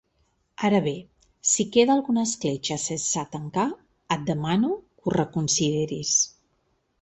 Ara bé, si queda alguna escletxa sense tancar, et demano que ho reconsideris.